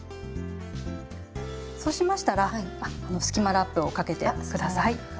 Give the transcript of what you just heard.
そうしましたらあっあのスキマラップをかけて下さい。